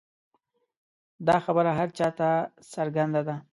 دا خبره هر چا ته څرګنده ده.